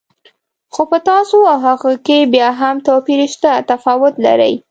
خو په تاسو او هغوی کې بیا هم توپیر شته، تفاوت لرئ.